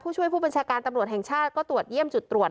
ช่วยผู้บัญชาการตำรวจแห่งชาติก็ตรวจเยี่ยมจุดตรวจ